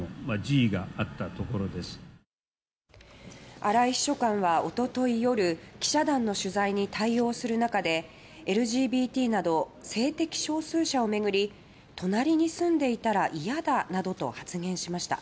荒井秘書官は、一昨日夜記者団の取材に対応する中でＬＧＢＴなど性的少数者を巡り隣に住んでいたら嫌だなどと発言しました。